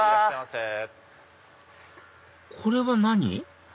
これは何？